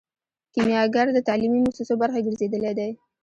کیمیاګر د تعلیمي موسسو برخه ګرځیدلی دی.